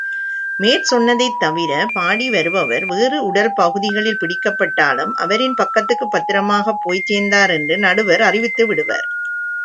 மேற்சொன்னதைத்தவிர, பாடி வருபவர் வேறு உடல்பகுதிகளில் பிடிக்கப்பட்டாலும், அவரின் பக்கத்துக்குப் பத்திரமாகப் போய் சேர்ந்தார் என்று நடுவர் அறிவித்துவிடுவார்.